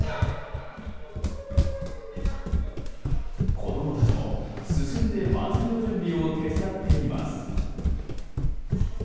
子供たちも進んで祭りの準備を手伝っています。